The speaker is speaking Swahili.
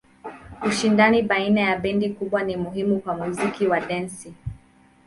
Ushindani baina ya bendi kubwa ni muhimu kwa muziki wa dansi.